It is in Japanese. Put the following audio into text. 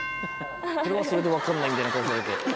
それはそれで分かんないみたいな顔されて。